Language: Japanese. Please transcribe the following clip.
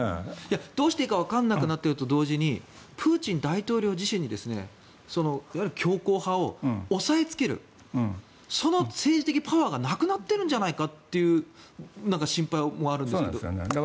どうしていいか分からなくなっていると同時にプーチン大統領自身にいわゆる強硬派を抑えつけるその政治的パワーがなくなっているんじゃないかという心配もあるんですけど。